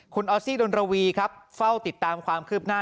คุณออสซี่ดนรวีครับเฝ้าติดตามความคืบหน้า